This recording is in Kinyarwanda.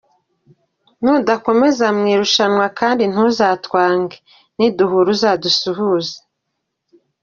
Nudakomeza mu irushanwa kandi ntuzatwange, niduhura uzadusuhuze,.